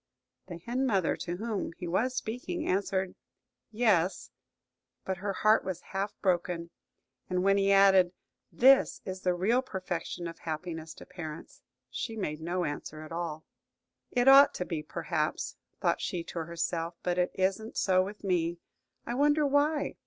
The hen mother, to whom he was speaking, answered "Yes;" but her heart was half broken. And when he added, "This is the real perfection of happiness to parents," she made no answer at all. "It ought to be, perhaps," thought she to herself, "but it isn't so with me. I wonder why?"